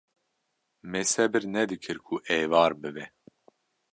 Me sebir nedikir ku êvar bibe